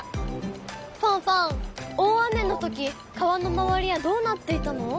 ファンファン大雨のとき川の周りはどうなっていたの？